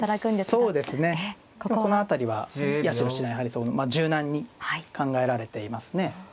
そうですねこの辺りは八代七段やはり柔軟に考えられていますね。